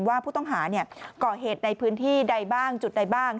ว่าผู้ต้องหาก่อเหตุในพื้นที่ใดบ้างจุดใดบ้าง